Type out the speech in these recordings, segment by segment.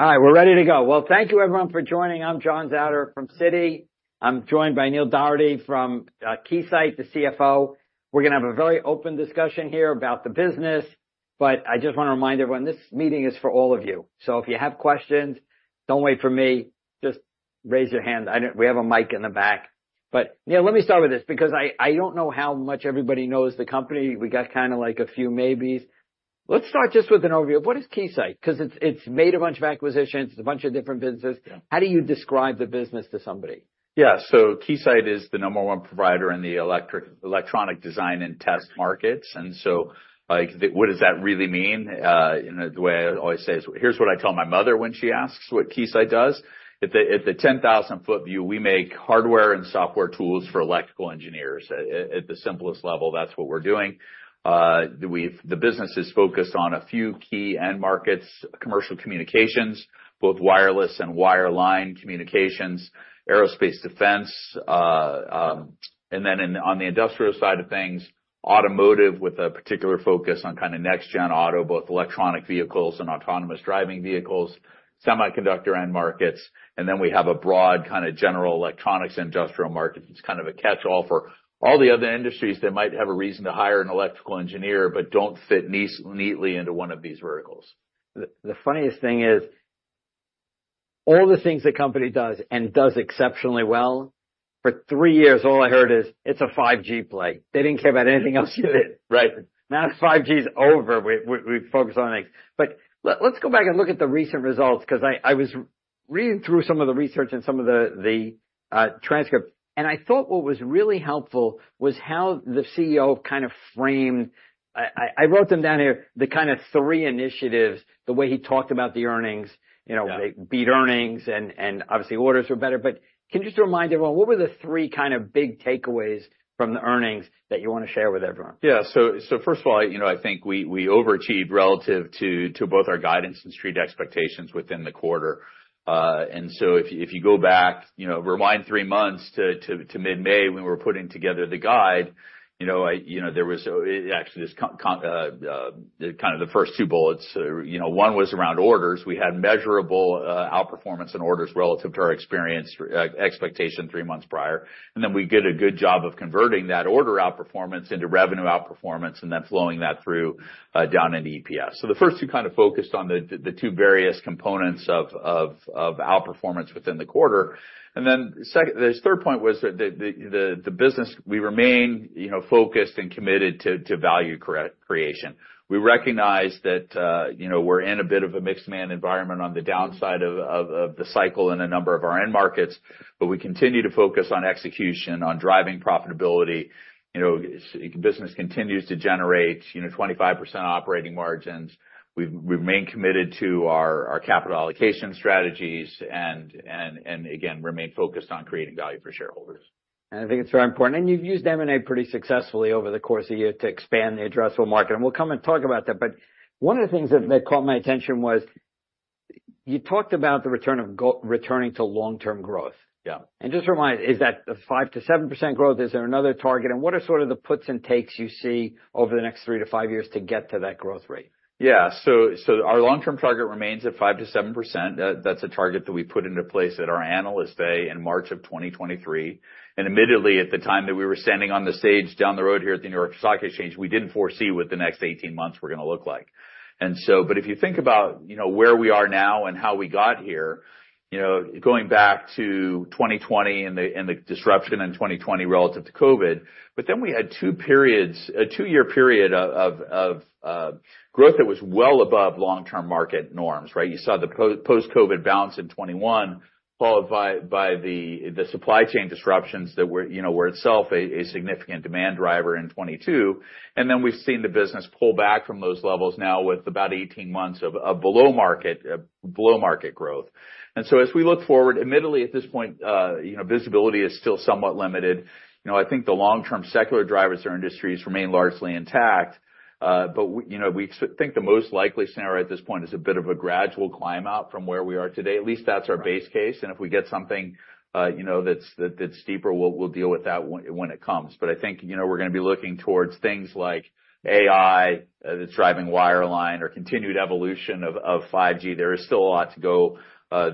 Hi, we're ready to go. Thank you everyone for joining. I'm John Souter from Citi. I'm joined by Neil Dougherty from Keysight, the CFO. We're gonna have a very open discussion here about the business, but I just wanna remind everyone, this meeting is for all of you. So if you have questions, don't wait for me, just raise your hand. We have a mic in the back. But, Neil, let me start with this because I don't know how much everybody knows the company. We got kind of like a few maybes. Let's start just with an overview. What is Keysight? Cause it's made a bunch of acquisitions, it's a bunch of different businesses. Yeah. How do you describe the business to somebody? Yeah, so Keysight is the number one provider in the electronic design and test markets. And so, like, what does that really mean? You know, the way I always say is, "Here's what I tell my mother when she asks what Keysight does." At the ten thousand foot view, we make hardware and software tools for electrical engineers. At the simplest level, that's what we're doing. The business is focused on a few key end markets, commercial communications, both wireless and wireline communications, aerospace defense, and then on the industrial side of things, automotive, with a particular focus on kind of next gen auto, both electric vehicles and autonomous driving vehicles, semiconductor end markets, and then we have a broad kind of general electronics industrial market. It's kind of a catch-all for all the other industries that might have a reason to hire an electrical engineer, but don't fit neatly into one of these verticals. The funniest thing is, all the things the company does, and does exceptionally well, for three years, all I heard is, "It's a 5G play." They didn't care about anything else you did. Right. Now 5G is over, we focus on the next. But let's go back and look at the recent results, cause I was reading through some of the research and some of the transcript, and I thought what was really helpful was how the CEO kind of framed... I wrote them down here, the kind of three initiatives, the way he talked about the earnings, you know- Yeah... they beat earnings and obviously orders were better. But can you just remind everyone what were the three kind of big takeaways from the earnings that you wanna share with everyone? Yeah. So first of all, you know, I think we overachieved relative to both our guidance and Street expectations within the quarter. And so if you go back, you know, rewind three months to mid-May, when we were putting together the guide, you know, there was actually just kind of the first two bullets, you know, one was around orders. We had measurable outperformance in orders relative to our expectations three months prior. And then we did a good job of converting that order outperformance into revenue outperformance, and then flowing that through down into EPS. So the first two kind of focused on the two various components of outperformance within the quarter. Then the third point was that the business, we remain, you know, focused and committed to value creation. We recognize that, you know, we're in a bit of a mixed macro environment on the downside of the cycle in a number of our end markets, but we continue to focus on execution, on driving profitability. You know, business continues to generate, you know, 25% operating margins. We remain committed to our capital allocation strategies, and again, remain focused on creating value for shareholders. I think it's very important. You've used M&A pretty successfully over the course of the year to expand the addressable market, and we'll come and talk about that. One of the things that caught my attention was, you talked about returning to long-term growth. Yeah. Just remind me, is that the 5-7% growth? Is there another target? And what are sort of the puts and takes you see over the next 3-5 years to get to that growth rate? Yeah. So, so our long-term target remains at 5-7%. That's a target that we put into place at our Analyst Day in March 2023. And admittedly, at the time that we were standing on the stage down the road here at the New York Stock Exchange, we didn't foresee what the next 18 months were gonna look like. And so, but if you think about, you know, where we are now and how we got here, you know, going back to 2020 and the disruption in 2020 relative to COVID, but then we had two periods, a two-year period of growth that was well above long-term market norms, right? You saw the post-COVID bounce in 2021, followed by the supply chain disruptions that were, you know, in itself a significant demand driver in 2022. And then we've seen the business pull back from those levels now with about 18 months of below market growth. So as we look forward, admittedly, at this point, you know, visibility is still somewhat limited. You know, I think the long-term secular drivers or industries remain largely intact, but you know, we think the most likely scenario at this point is a bit of a gradual climb out from where we are today. At least that's our base case, and if we get something, you know, that's steeper, we'll deal with that when it comes. But I think, you know, we're gonna be looking towards things like AI that's driving wireline or continued evolution of 5G. There is still a lot to go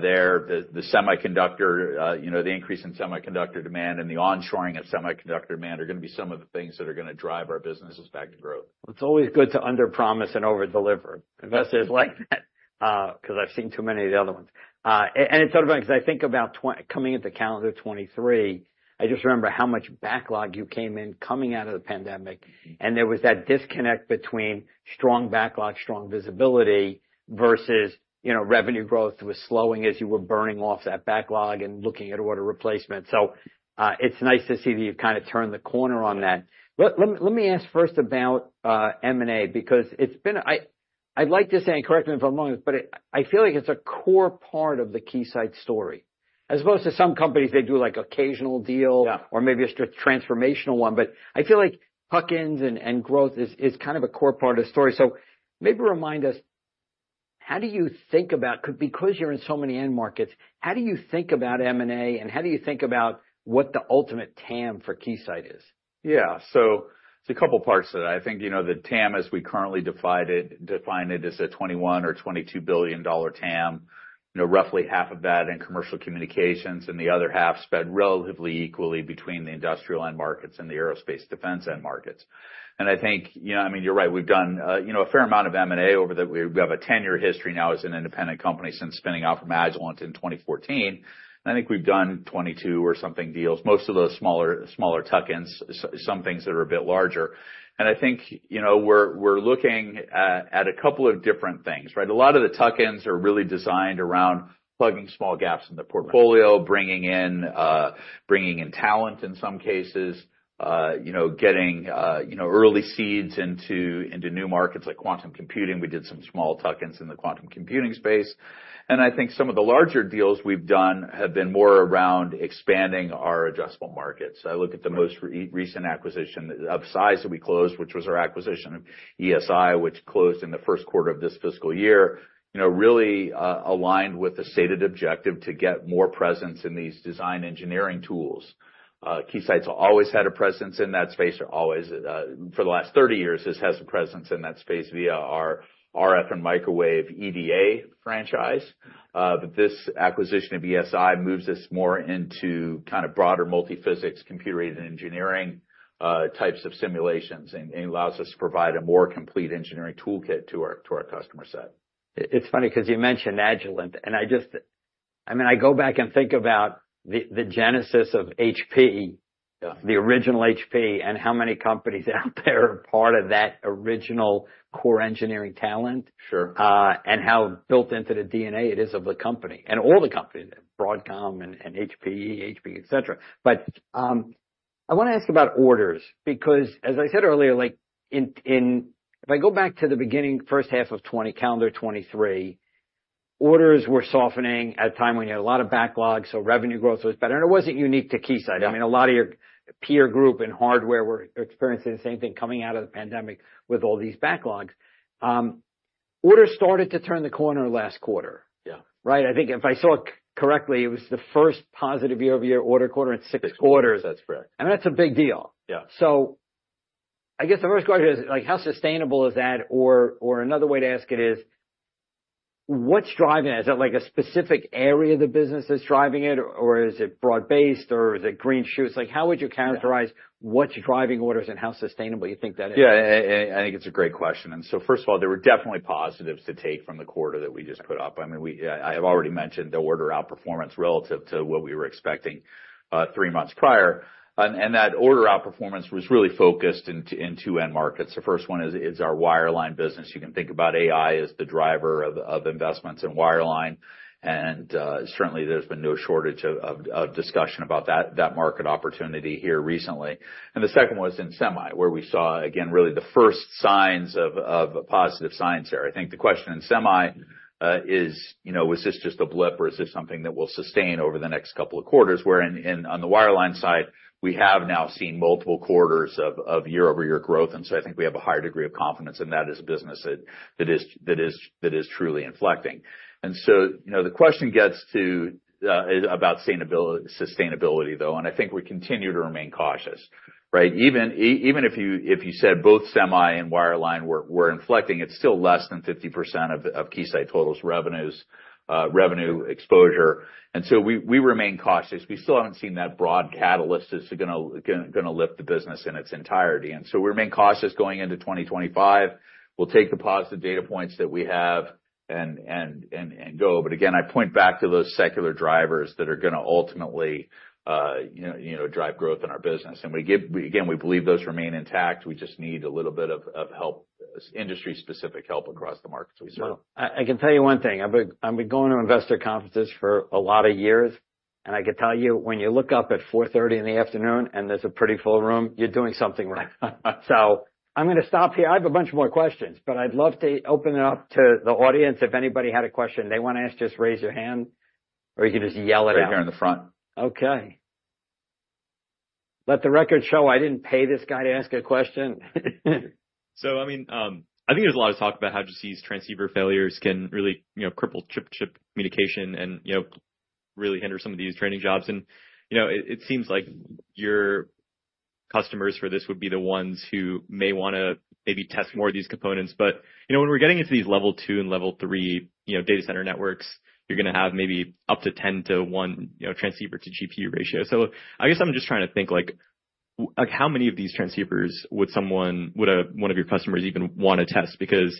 there. The semiconductor, you know, the increase in semiconductor demand and the onshoring of semiconductor demand are gonna be some of the things that are gonna drive our businesses back to growth. It's always good to under promise and overdeliver. Investors like that, cause I've seen too many of the other ones. And it's sort of like, cause I think about coming into calendar 2023, I just remember how much backlog you came in, coming out of the pandemic. Mm-hmm. And there was that disconnect between strong backlog, strong visibility, versus, you know, revenue growth was slowing as you were burning off that backlog and looking at order replacement. So, it's nice to see that you've kind of turned the corner on that. Let me ask first about M&A, because it's been a-- I'd like to say, and correct me if I'm wrong, but it, I feel like it's a core part of the Keysight story. As opposed to some companies, they do, like, occasional deal- Yeah... or maybe a strategic transformational one, but I feel like tuck-ins and growth is kind of a core part of the story. So maybe remind us how do you think about, because you're in so many end markets, how do you think about M&A, and how do you think about what the ultimate TAM for Keysight is? Yeah. So there's a couple parts to that. I think, you know, the TAM, as we currently divide it, define it, is a $21 billion-$22 billion TAM. You know, roughly half of that in commercial communications, and the other half spent relatively equally between the industrial end markets and the aerospace defense end markets. And I think, you know, I mean, you're right. We've done, you know, a fair amount of M&A over the years. We have a ten-year history now as an independent company since spinning off from Agilent in 2014. I think we've done 22 or something deals, most of those smaller tuck-ins, some things that are a bit larger. And I think, you know, we're looking at a couple of different things, right? A lot of the tuck-ins are really designed around plugging small gaps in the portfolio, bringing in talent, in some cases, you know, getting, you know, early seeds into new markets like quantum computing. We did some small tuck-ins in the quantum computing space. And I think some of the larger deals we've done have been more around expanding our addressable markets. I look at the most recent acquisition of size that we closed, which was our acquisition of ESI, which closed in the first quarter of this fiscal year, you know, really aligned with the stated objective to get more presence in these design engineering tools. Keysight's always had a presence in that space, or always, for the last thirty years, has had some presence in that space via our RF and microwave EDA franchise. But this acquisition of ESI moves us more into kind of broader multi-physics, computer-aided engineering types of simulations and allows us to provide a more complete engineering toolkit to our customer set. It's funny because you mentioned Agilent, and I just-- I mean, I go back and think about the genesis of HP- Yeah. the original HP, and how many companies out there are part of that original core engineering talent. Sure. And how built into the DNA it is of the company and all the companies, Broadcom and HPE, HP, et cetera. But I wanna ask about orders, because as I said earlier, like if I go back to the beginning, first half of 2020, calendar 2023, orders were softening at a time when you had a lot of backlogs, so revenue growth was better, and it wasn't unique to Keysight. Yeah. I mean, a lot of your peer group and hardware were experiencing the same thing coming out of the pandemic with all these backlogs. Orders started to turn the corner last quarter. Yeah. Right? I think if I saw it correctly, it was the first positive year-over-year order quarter in six quarters. That's correct. That's a big deal. Yeah. I guess the first question is, like, how sustainable is that? Or another way to ask it is, what's driving it? Is it, like, a specific area of the business that's driving it, or is it broad-based, or is it green shoots? Like, how would you characterize- Yeah... what's driving orders and how sustainable you think that is? Yeah, I think it's a great question. And so first of all, there were definitely positives to take from the quarter that we just put up. I mean, we have already mentioned the order outperformance relative to what we were expecting three months prior. And that order outperformance was really focused in two end markets. The first one is our wireline business. You can think about AI as the driver of investments in wireline, and certainly there's been no shortage of discussion about that market opportunity here recently. And the second was in semi, where we saw, again, really the first signs of positive signs there. I think the question in semi is, you know, is this just a blip, or is this something that will sustain over the next couple of quarters? Wherein on the wireline side, we have now seen multiple quarters of year-over-year growth, and so I think we have a higher degree of confidence, and that is a business that is truly inflecting. And so, you know, the question gets to about sustainability, though, and I think we continue to remain cautious, right? Even if you said both semi and wireline were inflecting, it's still less than 50% of Keysight's total revenues, revenue exposure, and so we remain cautious. We still haven't seen that broad catalyst that's gonna lift the business in its entirety, and so we remain cautious going into twenty twenty-five. We'll take the positive data points that we have and go. But again, I point back to those secular drivers that are gonna ultimately, you know, drive growth in our business. And again, we believe those remain intact. We just need a little bit of help, industry-specific help across the markets we serve. I can tell you one thing. I've been going to investor conferences for a lot of years, and I can tell you, when you look up at 4:30 P.M. and there's a pretty full room, you're doing something right. So I'm gonna stop here. I have a bunch more questions, but I'd love to open it up to the audience. If anybody had a question they wanna ask, just raise your hand, or you can just yell it out. Right here in the front. Okay. Let the record show I didn't pay this guy to ask a question. So, I mean, I think there's a lot of talk about how just these transceiver failures can really, you know, cripple chip-to-chip communication and, you know, really hinder some of these training jobs. And, you know, it seems like your customers for this would be the ones who may wanna maybe test more of these components. But, you know, when we're getting into these level two and level three, you know, data center networks, you're gonna have maybe up to ten to one, you know, transceiver to GPU ratio. So I guess I'm just trying to think, like-... Like, how many of these transceivers would someone, one of your customers even want to test? Because,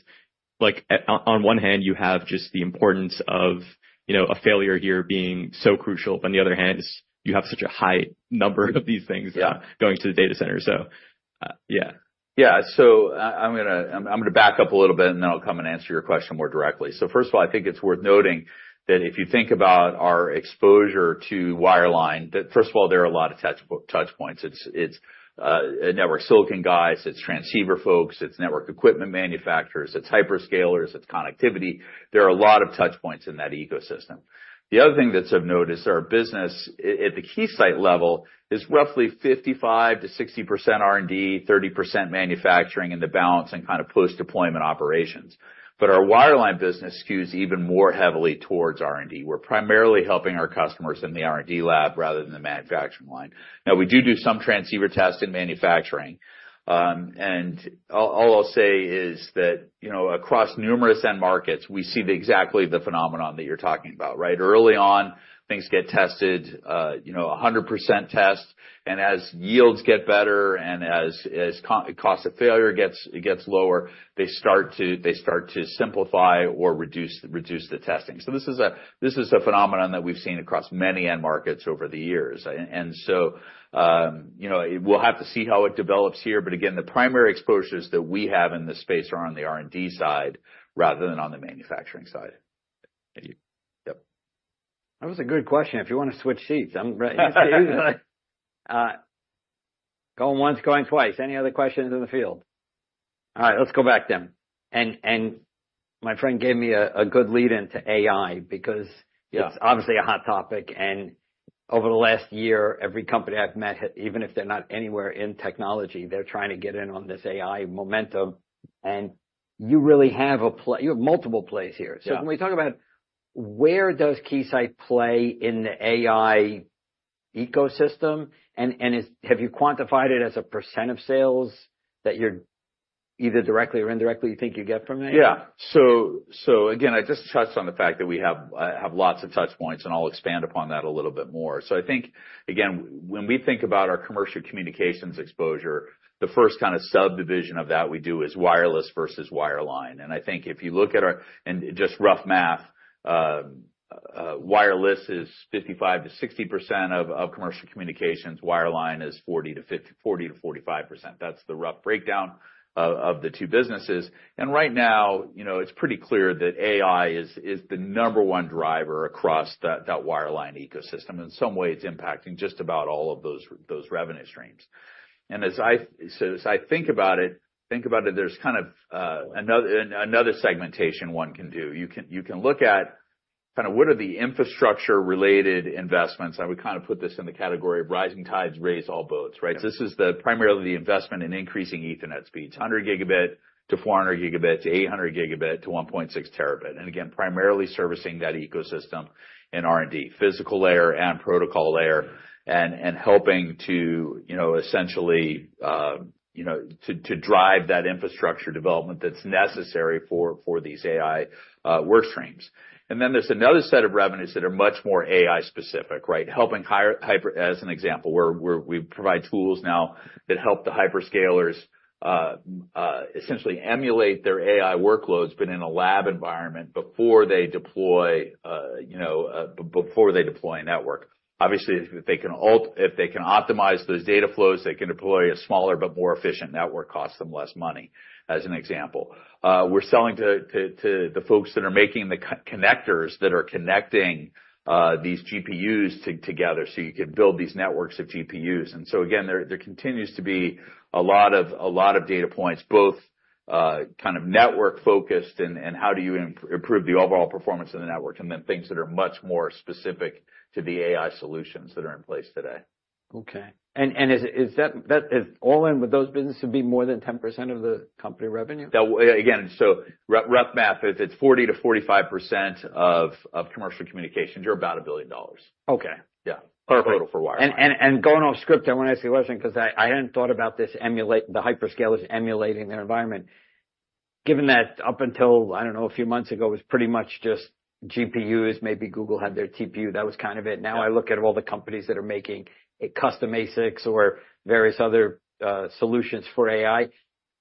like, on one hand, you have just the importance of, you know, a failure here being so crucial, but on the other hand, you have such a high number of these things- Yeah. going to the data center so. Yeah. So I'm gonna back up a little bit, and then I'll come and answer your question more directly. So first of all, I think it's worth noting that if you think about our exposure to wireline, that first of all, there are a lot of touchpoints. It's network silicon guys, it's transceiver folks, it's network equipment manufacturers, it's hyperscalers, it's connectivity. There are a lot of touchpoints in that ecosystem. The other thing that's of note is our business at the Keysight level is roughly 55%-60% R&D, 30% manufacturing, and the balance in kind of post-deployment operations. But our wireline business skews even more heavily towards R&D. We're primarily helping our customers in the R&D lab, rather than the manufacturing line. Now, we do some transceiver tests in manufacturing. And all I'll say is that, you know, across numerous end markets, we see exactly the phenomenon that you're talking about, right? Early on, things get tested, you know, a 100% test. And as yields get better, and as cost of failure gets lower, they start to simplify or reduce the testing. So this is a phenomenon that we've seen across many end markets over the years. And so, you know, we'll have to see how it develops here, but again, the primary exposures that we have in this space are on the R&D side, rather than on the manufacturing side. Thank you. Yep. That was a good question. If you wanna switch seats, going once, going twice. Any other questions in the field? All right, let's go back then. My friend gave me a good lead into AI, because- Yeah It's obviously a hot topic, and over the last year, every company I've met, even if they're not anywhere in technology, they're trying to get in on this AI momentum, and you really have multiple plays here. Yeah. So when we talk about where does Keysight play in the AI ecosystem? And have you quantified it as a % of sales that you're either directly or indirectly, you think you get from AI? Yeah. So again, I just touched on the fact that we have lots of touchpoints, and I'll expand upon that a little bit more. So I think, again, when we think about our commercial communications exposure, the first kind of subdivision of that we do is wireless versus wireline. And I think if you look at our. And just rough math, wireless is 55-60% of commercial communications, wireline is 40-45%. That's the rough breakdown of the two businesses. And right now, you know, it's pretty clear that AI is the number one driver across that wireline ecosystem. In some way, it's impacting just about all of those revenue streams. And as I. So as I think about it, there's kind of another segmentation one can do. You can look at kinda what are the infrastructure-related investments. I would kind of put this in the category of rising tides raise all boats, right? Yeah. So this is primarily the investment in increasing Ethernet speeds, 100 Gb to 400 Gb, to 800 Gb, to 1.6 Tb. And again, primarily servicing that ecosystem in R&D, physical layer and protocol layer, and helping to, you know, essentially, you know, to drive that infrastructure development that's necessary for these AI work streams. And then there's another set of revenues that are much more AI specific, right? Helping hyperscalers, as an example, where we provide tools now that help the hyperscalers essentially emulate their AI workloads, but in a lab environment, before they deploy a network. Obviously, if they can optimize those data flows, they can deploy a smaller but more efficient network, costs them less money, as an example. We're selling to the folks that are making the copper connectors that are connecting these GPUs together, so you can build these networks of GPUs. And so again, there continues to be a lot of data points, both kind of network-focused and how do you improve the overall performance of the network, and then things that are much more specific to the AI solutions that are in place today. Okay. Is that all in with those businesses would be more than 10% of the company revenue? Again, so rough math is it's 40%-45% of commercial communications, you're about $1 billion. Okay. Yeah. Perfect. Total for wireline. Going off script, I wanna ask you a question, cause I hadn't thought about this: the hyperscalers emulating their environment. Given that up until, I don't know, a few months ago, it was pretty much just GPUs, maybe Google had their TPU, that was kind of it. Yeah. Now, I look at all the companies that are making a custom ASICs or various other solutions for AI.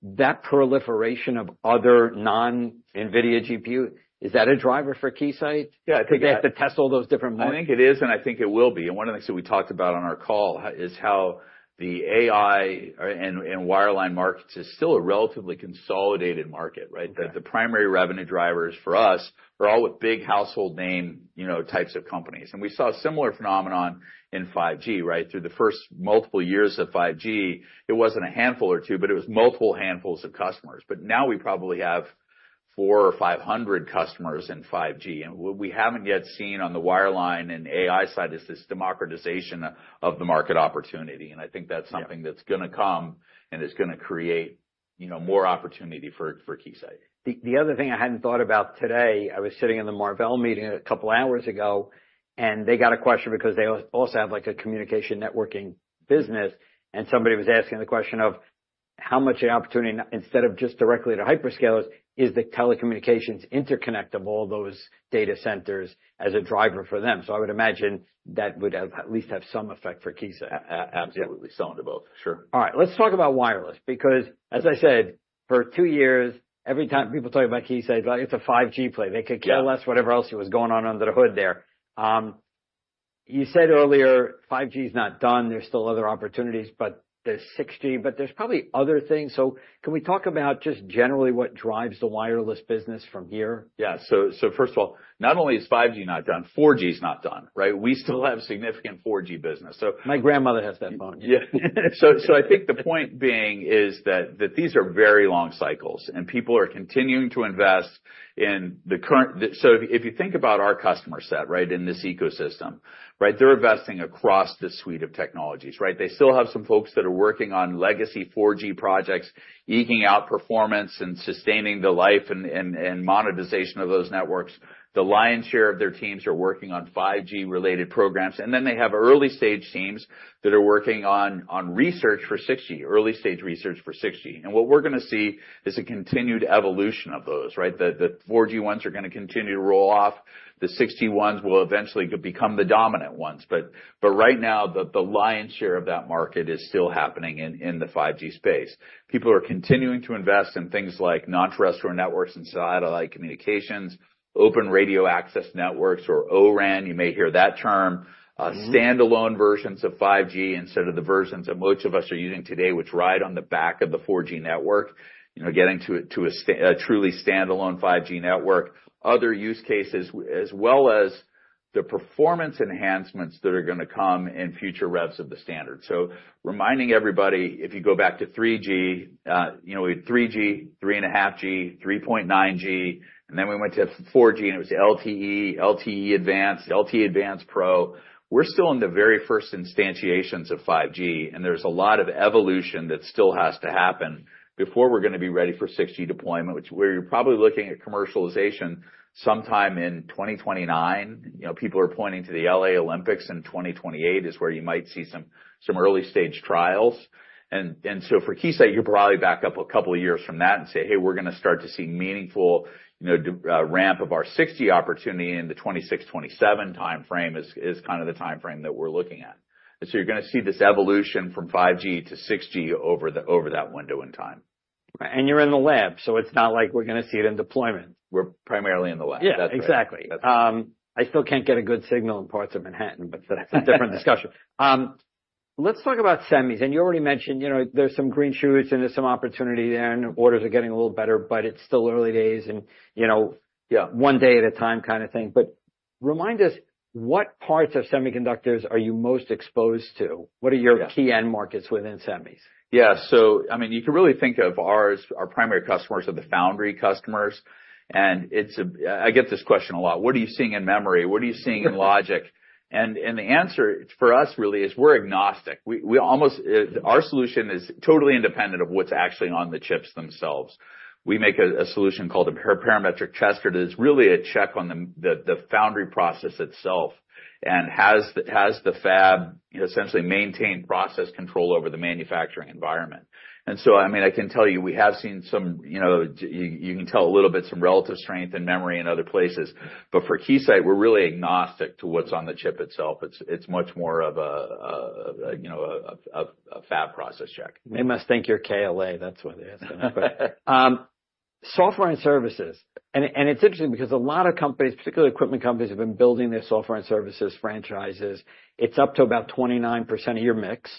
That proliferation of other non-NVIDIA GPU, is that a driver for Keysight? Yeah, I think that- They have to test all those different models. I think it is, and I think it will be. And one of the things that we talked about on our call is how the AI and wireline markets is still a relatively consolidated market, right? Okay. That the primary revenue drivers for us are all with big household name, you know, types of companies. And we saw a similar phenomenon in 5G, right? Through the first multiple years of 5G, it wasn't a handful or two, but it was multiple handfuls of customers. But now we probably have four or five hundred customers in 5G. And what we haven't yet seen on the wireline and AI side is this democratization of the market opportunity. Yeah. I think that's something that's gonna come, and it's gonna create, you know, more opportunity for Keysight. The other thing I hadn't thought about today, I was sitting in the Marvell meeting a couple hours ago, and they got a question because they also have, like, a communication networking business, and somebody was asking the question of: how much an opportunity, instead of just directly to hyperscalers, is the telecommunications interconnect of all those data centers as a driver for them? So I would imagine that would have at least some effect for Keysight. Absolutely. Sounds about, sure. All right, let's talk about wireless, because as I said, for two years, every time people talk about Keysight, it's a 5G play. Yeah. They could care less whatever else was going on under the hood there. You said earlier 5G is not done. There's still other opportunities, but there's 6G, but there's probably other things. So can we talk about just generally what drives the wireless business from here? Yeah, so first of all, not only is 5G not done, 4G is not done, right? We still have significant 4G business, so- My grandmother has that phone. Yeah. So I think the point being is that these are very long cycles, and people are continuing to invest in the current. So if you think about our customer set, right, in this ecosystem, right, they're investing across this suite of technologies, right? They still have some folks that are working on legacy 4G projects, eking out performance and sustaining the life and monetization of those networks. The lion's share of their teams are working on 5G-related programs, and then they have early-stage teams that are working on research for 6G, early-stage research for 6G. And what we're gonna see is a continued evolution of those, right? The 4G ones are gonna continue to roll off. The 6G ones will eventually become the dominant ones, but right now, the lion's share of that market is still happening in the 5G space. People are continuing to invest in things like non-terrestrial networks and satellite communications, open radio access networks or O-RAN. You may hear that term. Mm-hmm. Standalone versions of 5G instead of the versions that most of us are using today, which ride on the back of the 4G network, you know, getting to a truly standalone 5G network. Other use cases, as well as the performance enhancements that are gonna come in future revs of the standard. So reminding everybody, if you go back to 3G, you know, we had 3G, three and a half G, three point nine G, and then we went to 4G, and it was LTE, LTE Advanced, LTE Advanced Pro. We're still in the very first instantiations of 5G, and there's a lot of evolution that still has to happen before we're gonna be ready for 6G deployment, which we're probably looking at commercialization sometime in twenty twenty-nine. You know, people are pointing to the LA Olympics in 2028, is where you might see some early-stage trials. And so for Keysight, you probably back up a couple of years from that and say, "Hey, we're gonna start to see meaningful, you know, ramp of our 6G opportunity in the 2026, 2027 timeframe," is kind of the timeframe that we're looking at. And so you're gonna see this evolution from 5G to 6G over that window in time. You're in the lab, so it's not like we're gonna see it in deployment. We're primarily in the lab. Yeah, exactly. That's right. I still can't get a good signal in parts of Manhattan, but that's a different discussion. Let's talk about semis. And you already mentioned, you know, there's some green shoots, and there's some opportunity there, and orders are getting a little better, but it's still early days and, you know- Yeah... one day at a time kind of thing. But remind us, what parts of semiconductors are you most exposed to? Yeah. What are your key end markets within semis? Yeah. So, I mean, you can really think of ours, our primary customers are the foundry customers, and it's a... I get this question a lot. What are you seeing in memory? What are you seeing in logic? And the answer, for us, really is we're agnostic. We almost, our solution is totally independent of what's actually on the chips themselves. We make a solution called a parametric tester. It is really a check on the foundry process itself and has the fab essentially maintain process control over the manufacturing environment. And so, I mean, I can tell you, we have seen some, you know, you can tell a little bit, some relative strength in memory in other places, but for Keysight, we're really agnostic to what's on the chip itself. It's much more of a, you know, a fab process check. They must think you're KLA. That's why they're asking. Software and services, and it's interesting because a lot of companies, particularly equipment companies, have been building their software and services franchises. It's up to about 29% of your mix.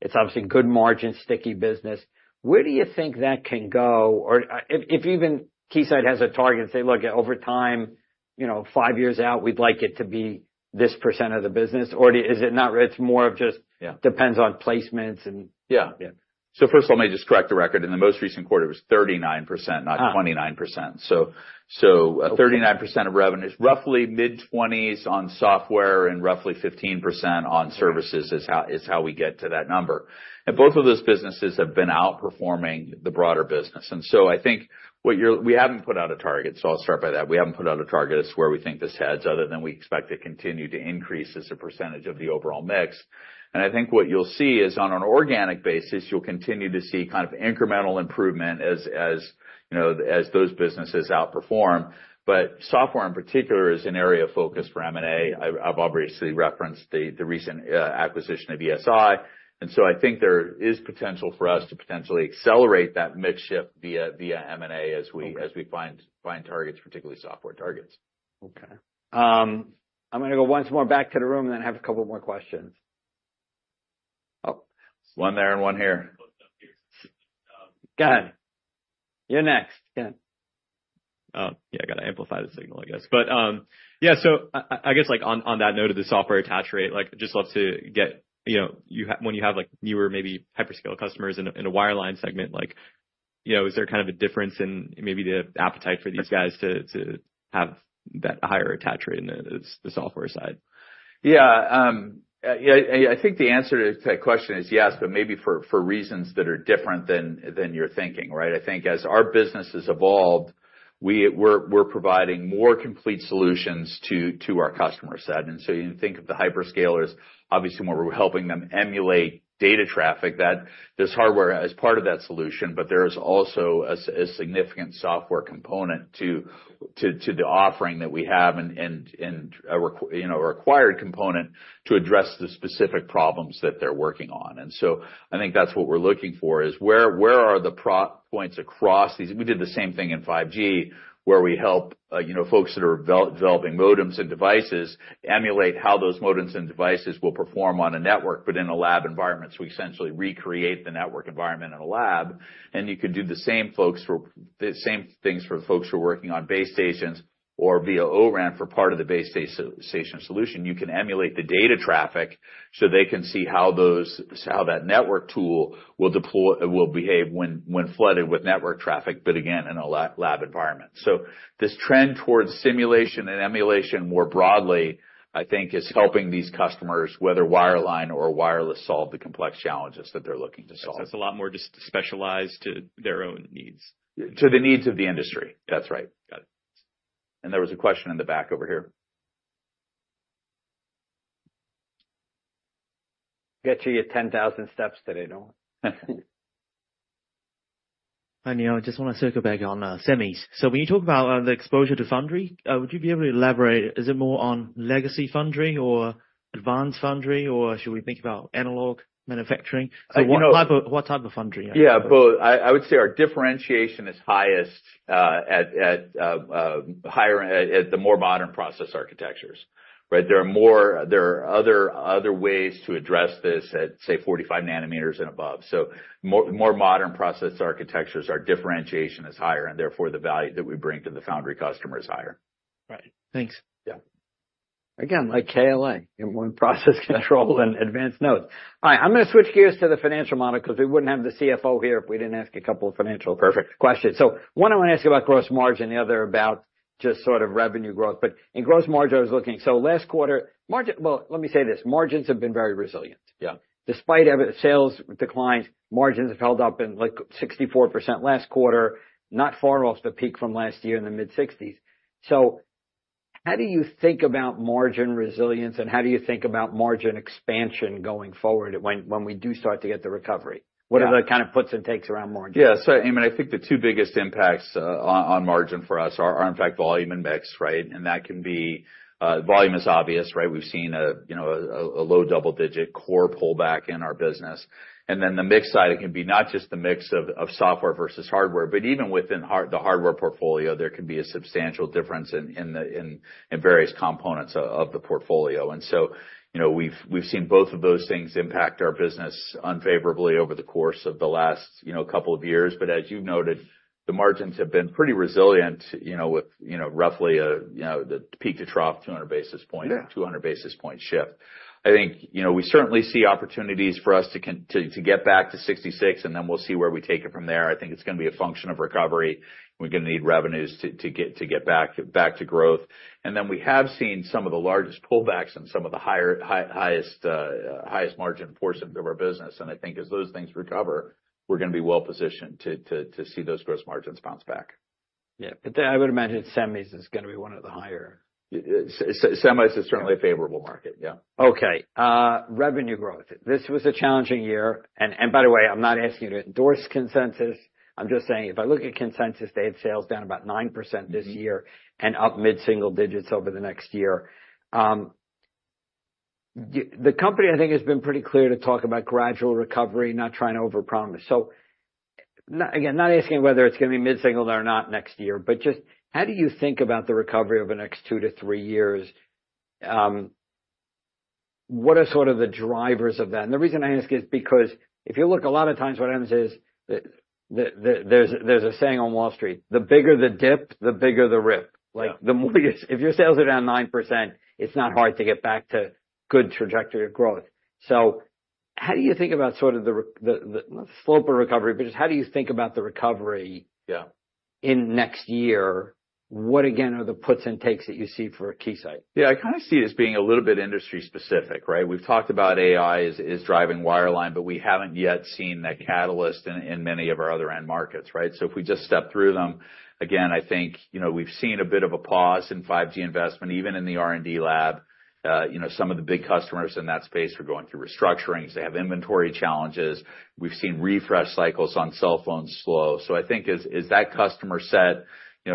It's obviously good margin, sticky business. Where do you think that can go? Or, if even Keysight has a target and say, "Look, over time, you know, five years out, we'd like it to be this percent of the business," or is it not, it's more of just- Yeah... depends on placements and- Yeah. Yeah. First let me just correct the record. In the most recent quarter, it was 39%, not 29%. Ah. 39% of revenue is roughly mid-twenties on software and roughly 15% on services, is how we get to that number. And both of those businesses have been outperforming the broader business. And so I think what you're we haven't put out a target, so I'll start by that. We haven't put out a target as to where we think this heads, other than we expect it to continue to increase as a percentage of the overall mix. And I think what you'll see is, on an organic basis, you'll continue to see kind of incremental improvement as, you know, as those businesses outperform. But software, in particular, is an area of focus for M&A. I've obviously referenced the recent acquisition of ESI, and so I think there is potential for us to potentially accelerate that mix shift via M&A as we- Okay... as we find targets, particularly software targets. Okay. I'm gonna go once more back to the room and then have a couple more questions. Oh. One there and one here. Go ahead. You're next. Yeah. Yeah, I gotta amplify the signal, I guess. But, yeah, so I guess, like, on that note of the software attach rate, like, just love to get... You know, you have- when you have, like, newer, maybe hyperscaler customers in a wireline segment, like, you know, is there kind of a difference in maybe the appetite for these guys to have- that a higher attach rate in the, it's the software side. Yeah, yeah, I think the answer to that question is yes, but maybe for reasons that are different than you're thinking, right? I think as our business has evolved, we're providing more complete solutions to our customer set. And so you think of the hyperscalers, obviously, when we're helping them emulate data traffic, that this hardware is part of that solution, but there is also a significant software component to the offering that we have and a required component to address the specific problems that they're working on. And so I think that's what we're looking for, is where are the pain points across these? We did the same thing in 5G, where we help you know folks that are developing modems and devices emulate how those modems and devices will perform on a network, but in a lab environment. So we essentially recreate the network environment in a lab, and you can do the same things for the folks who are working on base stations or via O-RAN for part of the base station solution. You can emulate the data traffic so they can see how that network tool will behave when flooded with network traffic, but again, in a lab environment. So this trend towards simulation and emulation more broadly, I think is helping these customers, whether wireline or wireless, solve the complex challenges that they're looking to solve. It's a lot more just specialized to their own needs. To the needs of the industry. That's right. Got it. There was a question in the back over here. Get to your 10,000 steps today, don't we? You know, I just wanna circle back on semis. So when you talk about the exposure to foundry, would you be able to elaborate? Is it more on legacy foundry or advanced foundry, or should we think about analog manufacturing? You know- What type of foundry? Yeah, both. I would say our differentiation is highest at the more modern process architectures, right? There are other ways to address this at, say, forty-five nanometers and above. So more modern process architectures, our differentiation is higher, and therefore, the value that we bring to the foundry customer is higher. Right. Thanks. Yeah. Again, like KLA, in one process control and advanced nodes. All right, I'm gonna switch gears to the financial model because we wouldn't have the CFO here if we didn't ask a couple of financial- Perfect. Questions, so one, I wanna ask you about gross margin, the other about just sort of revenue growth, but in gross margin, I was looking, so last quarter, margin- well, let me say this, margins have been very resilient. Yeah. Despite EV sales declines, margins have held up in, like, 64% last quarter, not far off the peak from last year in the mid-60s%. So how do you think about margin resilience, and how do you think about margin expansion going forward when we do start to get the recovery? Yeah. What are the kind of puts and takes around margin? Yeah. So, Amen, I think the two biggest impacts on margin for us are in fact volume and mix, right? And that can be volume is obvious, right? We've seen a you know low double-digit core pullback in our business. And then the mix side, it can be not just the mix of software versus hardware, but even within the hardware portfolio, there can be a substantial difference in various components of the portfolio. And so, you know, we've seen both of those things impact our business unfavorably over the course of the last you know couple of years. But as you noted, the margins have been pretty resilient, you know, with roughly the peak to trough two hundred basis point- Yeah... 200 basis point shift. I think, you know, we certainly see opportunities for us to get back to sixty-six, and then we'll see where we take it from there. I think it's gonna be a function of recovery. We're gonna need revenues to get back to growth. And then we have seen some of the largest pullbacks in some of the highest margin portions of our business. And I think as those things recover, we're gonna be well positioned to see those gross margins bounce back. Yeah, but then I would imagine semis is gonna be one of the higher. Yeah, semis is certainly a favorable market, yeah. Okay, revenue growth. This was a challenging year, and by the way, I'm not asking you to endorse consensus. I'm just saying if I look at consensus, they had sales down about 9% this year- Mm-hmm and up mid-single digits over the next year. The company, I think, has been pretty clear to talk about gradual recovery, not trying to over-promise. So again, not asking whether it's gonna be mid-single or not next year, but just how do you think about the recovery over the next two to three years? What are sort of the drivers of that? And the reason I ask is because if you look, a lot of times what happens is, there's a saying on Wall Street: "The bigger the dip, the bigger the rip. Yeah. Like, if your sales are down 9%, it's not hard to get back to good trajectory of growth. So how do you think about sort of the recovery, not the slope of recovery, but just how do you think about the recovery- Yeah... in next year? What, again, are the puts and takes that you see for Keysight? Yeah, I kind of see it as being a little bit industry specific, right? We've talked about AI is driving wireline, but we haven't yet seen that catalyst in many of our other end markets, right? So if we just step through them, again, I think, you know, we've seen a bit of a pause in 5G investment, even in the R&D lab. You know, some of the big customers in that space are going through restructurings. They have inventory challenges. We've seen refresh cycles on cell phones slow. So I think as that customer set, you know,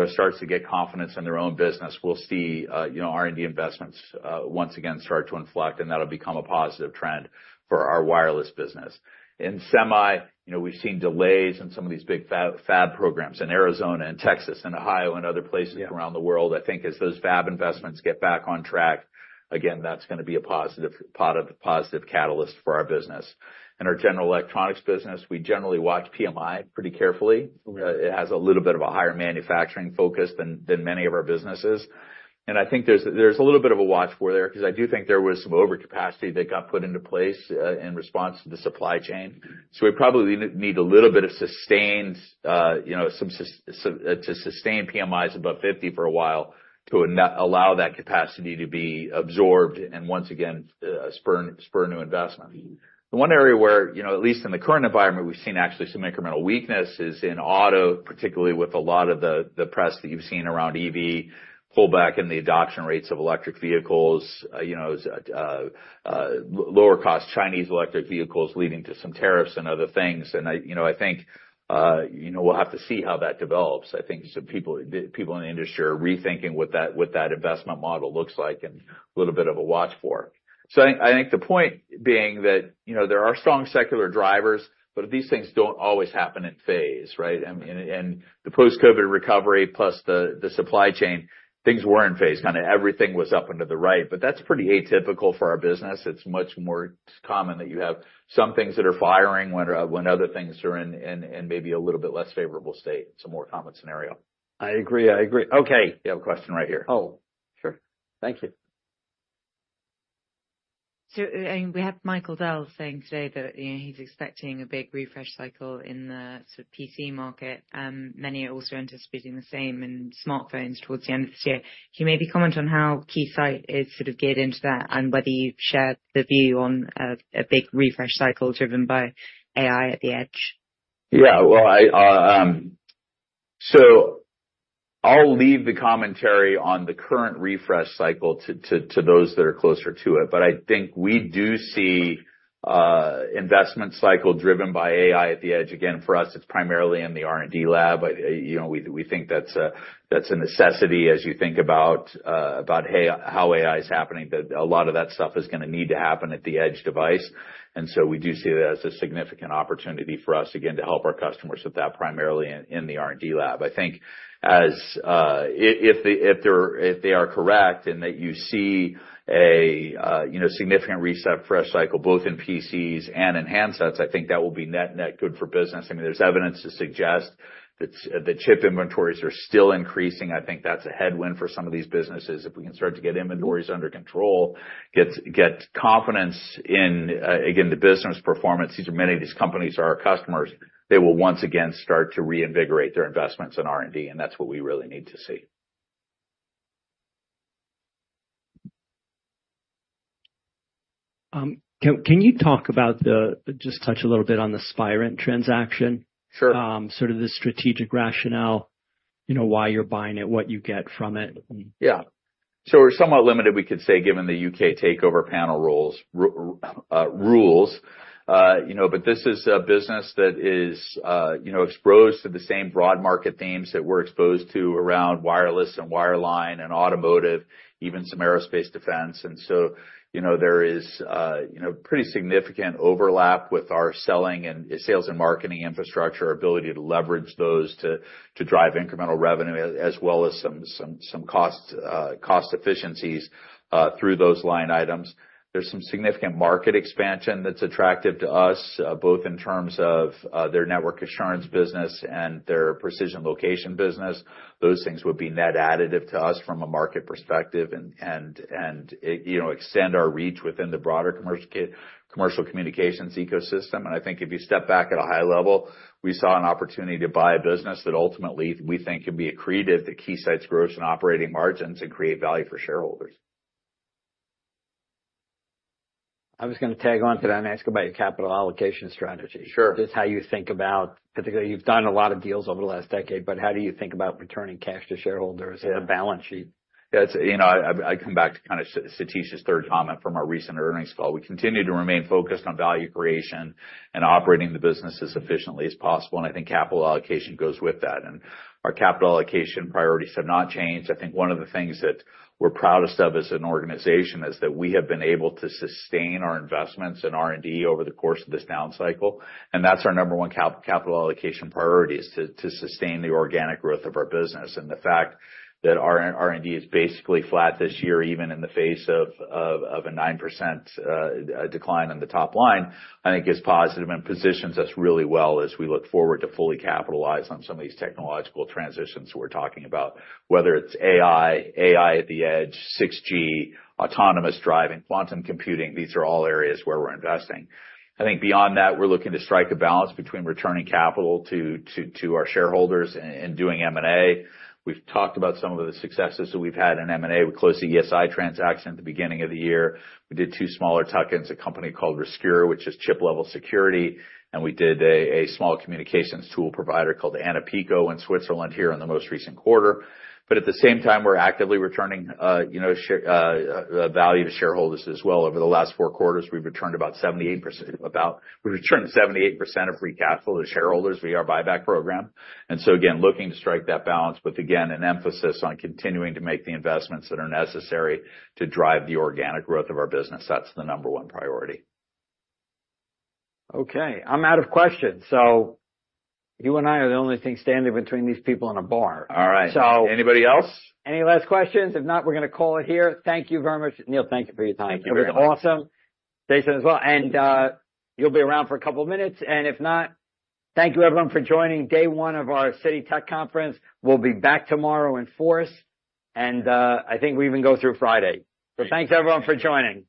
starts to get confidence in their own business, we'll see, you know, R&D investments once again start to inflect, and that'll become a positive trend for our wireless business. In semi, you know, we've seen delays in some of these big fab programs in Arizona and Texas and Ohio and other places Yeah... around the world. I think as those fab investments get back on track, again, that's gonna be a positive catalyst for our business. In our general electronics business, we generally watch PMI pretty carefully. It has a little bit of a higher manufacturing focus than many of our businesses, and I think there's a little bit of a watch for there, because I do think there was some overcapacity that got put into place in response to the supply chain, so we probably need a little bit of sustained, you know, some sustained PMIs above fifty for a while, to allow that capacity to be absorbed, and once again, spur new investment. The one area where, you know, at least in the current environment, we've seen actually some incremental weakness is in auto, particularly with a lot of the press that you've seen around EV pullback in the adoption rates of electric vehicles, lower cost Chinese electric vehicles, leading to some tariffs and other things. And I, you know, I think, you know, we'll have to see how that develops. I think some people, people in the industry are rethinking what that investment model looks like, and a little bit of a watch for. So I think the point being that, you know, there are strong secular drivers, but these things don't always happen in phase, right? Mm-hmm. I mean, the post-COVID recovery plus the supply chain, things were in phase, kind of everything was up and to the right, but that's pretty atypical for our business. It's much more common that you have some things that are firing, when other things are in maybe a little bit less favorable state. It's a more common scenario. I agree. I agree. Okay. You have a question right here. Oh, sure. Thank you. So, and we had Michael Dell saying today that, you know, he's expecting a big refresh cycle in the sort of PC market, and many are also anticipating the same in smartphones towards the end of this year. Can you maybe comment on how Keysight is sort of geared into that, and whether you've shared the view on a big refresh cycle driven by AI at the edge? Yeah. Well, so I'll leave the commentary on the current refresh cycle to those that are closer to it. But I think we do see investment cycle driven by AI at the edge. Again, for us, it's primarily in the R&D lab. I, you know, we think that's a necessity as you think about AI - how AI is happening, that a lot of that stuff is gonna need to happen at the edge device. And so we do see that as a significant opportunity for us, again, to help our customers with that, primarily in the R&D lab. I think if they're, if they are correct, and that you see a, you know, significant reset refresh cycle, both in PCs and in handsets, I think that will be net net good for business. I mean, there's evidence to suggest that the chip inventories are still increasing. I think that's a headwind for some of these businesses. If we can start to get inventories under control, get confidence in, again, the business performance, these are many of these companies are our customers, they will once again start to reinvigorate their investments in R&D, and that's what we really need to see. Can you talk about the... Just touch a little bit on the Spirent transaction? Sure. Sort of the strategic rationale, you know, why you're buying it, what you get from it. Yeah, so we're somewhat limited, we could say, given the UK Takeover Panel rules. You know, but this is a business that is, you know, exposed to the same broad market themes that we're exposed to around wireless and wireline and Automotive, even some aerospace defense. And so, you know, there is, you know, pretty significant overlap with our selling and sales and marketing infrastructure, ability to leverage those to drive incremental revenue, as well as some cost efficiencies through those line items. There's some significant market expansion that's attractive to us, both in terms of their network assurance business and their precision location business. Those things would be net additive to us from a market perspective and, you know, extend our reach within the broader commercial communications ecosystem. I think if you step back at a high level, we saw an opportunity to buy a business that ultimately we think can be accretive to Keysight's growth and operating margins and create value for shareholders. I was gonna tag on to that and ask about your capital allocation strategy. Sure. Just how you think about, particularly you've done a lot of deals over the last decade, but how do you think about returning cash to shareholders? Yeah... and the balance sheet? Yeah, it's, you know, I come back to kind of Satish's third comment from our recent earnings call. We continue to remain focused on value creation and operating the business as efficiently as possible, and I think capital allocation goes with that. And our capital allocation priorities have not changed. I think one of the things that we're proudest of as an organization is that we have been able to sustain our investments in R&D over the course of this down cycle. And that's our number one capital allocation priority, is to sustain the organic growth of our business. The fact that our R&D is basically flat this year, even in the face of a 9% decline in the top line, I think is positive and positions us really well as we look forward to fully capitalize on some of these technological transitions we're talking about. Whether it's AI, AI at the edge, 6G, autonomous driving, quantum computing, these are all areas where we're investing. I think beyond that, we're looking to strike a balance between returning capital to our shareholders and doing M&A. We've talked about some of the successes that we've had in M&A. We closed the ESI transaction at the beginning of the year. We did two smaller tuck-ins, a company called Riscure, which is chip-level security, and we did a small communications tool provider called AnaPico in Switzerland, here in the most recent quarter. But at the same time, we're actively returning, you know, share value to shareholders as well. Over the last four quarters, we've returned about 78% of free capital to shareholders via our buyback program. And so again, looking to strike that balance, but again, an emphasis on continuing to make the investments that are necessary to drive the organic growth of our business. That's the number one priority. Okay, I'm out of questions. So you and I are the only thing standing between these people and a bar. All right. So- Anybody else? Any last questions? If not, we're gonna call it here. Thank you very much. Neil, thank you for your time. Thank you very much. It was awesome. Jason as well, and you'll be around for a couple of minutes, and if not, thank you everyone for joining day one of our Citi Tech Conference. We'll be back tomorrow in force, and I think we even go through Friday, so thanks, everyone, for joining.